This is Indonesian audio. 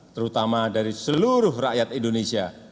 terutama dari seluruh rakyat indonesia